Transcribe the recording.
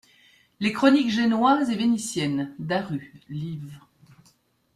Les chroniques génoises et vénitiennes (Daru, liv.